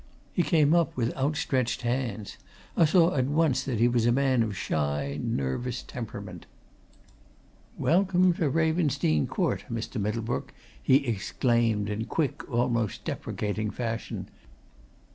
He came up with outstretched hands; I saw at once that he was a man of shy, nervous temperament. "Welcome to Ravensdene Court, Mr. Middlebrook!" he exclaimed in quick, almost deprecating fashion.